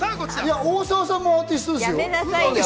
大沢さんもアーティストですよ。